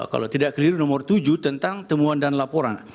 kalau tidak keliru nomor tujuh tentang temuan dan laporan